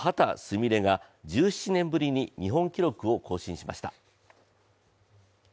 美鈴が１７年ぶりに日本記録を更新しました。